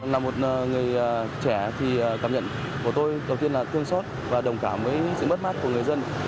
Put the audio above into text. là một người trẻ thì cảm nhận của tôi đầu tiên là tương xót và đồng cảm với sự mất mát của người dân